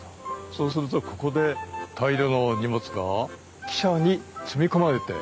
そうするとここで大量の荷物が汽車に積み込まれて運ばれていった。